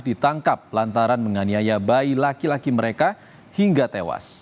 ditangkap lantaran menganiaya bayi laki laki mereka hingga tewas